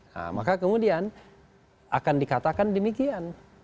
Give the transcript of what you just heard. nah maka kemudian akan dikatakan demikian